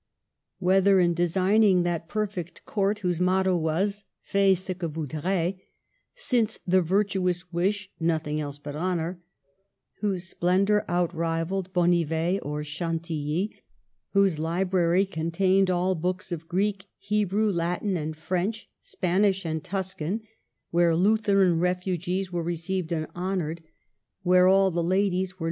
Whether in designing that perfect Court, whose motto was Fay ce que vouldras," since the virtuous wish nothing else but honor, whose splendor outrivalled Bonnivet or Chantilly, whose library contained all books of Greek, Hebrew, Latin, and French, Spanish and Tuscan, where Lutheran refugees were re ceived and honored, where all the ladies were NERAC in 1530.